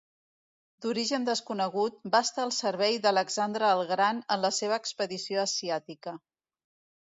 D'origen desconegut, va estar al servei d'Alexandre el Gran en la seva expedició asiàtica.